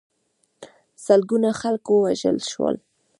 سلګونه خلک ووژل شول.